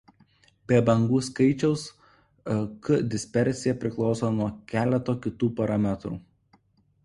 Be bangų skaičiaus k dispersija priklauso nuo keleto kitų parametrų.